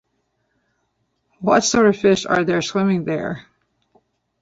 What sort of fish are there swimming there?